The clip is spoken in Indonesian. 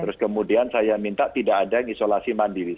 terus kemudian saya minta tidak ada yang isolasi mandiri